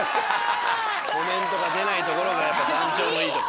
コメントが出ないところが団長のいいとこ。